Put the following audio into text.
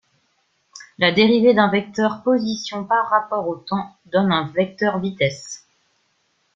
La dérivée d'un vecteur position par rapport au temps, donne un vecteur vitesse.